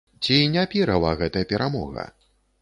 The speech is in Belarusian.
Ці не пірава гэта перамога?